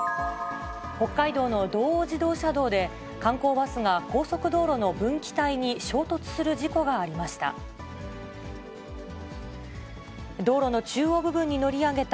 北海道の道央自動車道で、観光バスが高速道路の分岐帯に衝突する事故がありました。